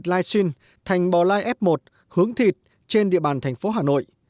thịt lai xin thành bò lai f một hướng thịt trên địa bàn thành phố hà nội